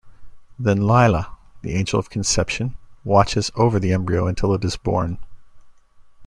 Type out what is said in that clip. Then Lailah, the Angel of Conception, watches over the embryo until it is born.